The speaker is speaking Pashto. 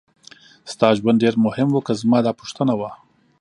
ستا ژوند ډېر مهم و که زما دا پوښتنه وه.